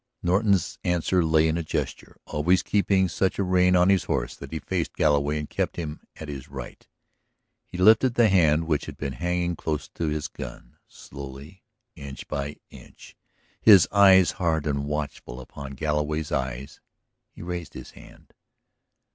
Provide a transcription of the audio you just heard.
Norton's answer lay in a gesture. Always keeping such a rein on his horse that he faced Galloway and kept him at his right, he lifted the hand which had been hanging close to his gun. Slowly, inch by inch, his eyes hard and watchful upon Galloway's eyes, he raised his hand.